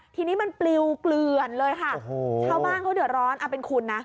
ทีนี้มันปลิวเกลือนเลยค่ะชาวบ้านเขาเดือดร้อนเอาเป็นคุณนะ